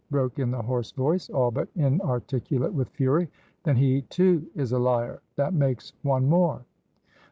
broke in the hoarse voice, all but inarticulate with fury. "Then he too is a liar; that makes one more."